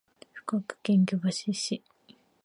福岡県行橋市